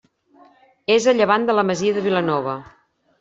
És a llevant de la masia de Vilanova.